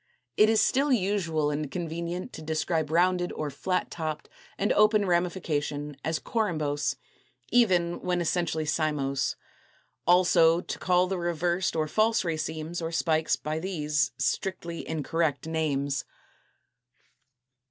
It is still usual and convenient to describe rounded or flat topped and open ramification as corymbose, even when essentially cymose; also to call the reversed or false racemes or spikes by these (strictly incorrect) names.